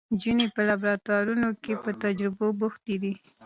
نجونې په لابراتوارونو کې په تجربو بوختې دي.